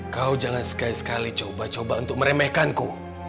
kau jangan sekali sekali coba coba untuk meremehkanku